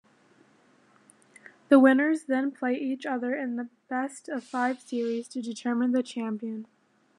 The winners then play each other in a best-of-five series to determine the champion.